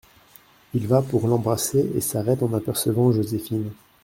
Il va pour l’embrasser et s’arrête en apercevant Joséphine.